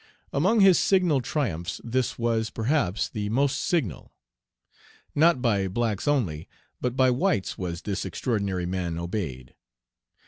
Among his signal triumphs this was, perhaps, the most signal. Not by blacks only, but by whites, was this extraordinary man obeyed.